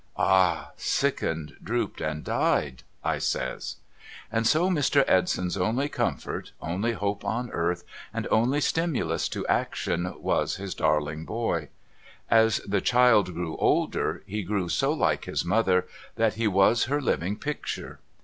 ' Ah ! Sickened, drooped, and died !' I says, ' And so Mr, Edson's only comfort, only hope on earth, and only stimulus to action, was his darling boy. As the child grew older, he grew so like his mother that he was her living picture.